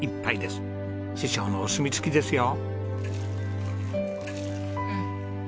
師匠のお墨付きですよ。